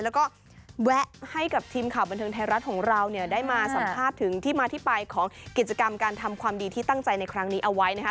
แล้วก็แวะให้กับทีมข่าวบันเทิงไทยรัฐของเราเนี่ยได้มาสัมภาษณ์ถึงที่มาที่ไปของกิจกรรมการทำความดีที่ตั้งใจในครั้งนี้เอาไว้นะคะ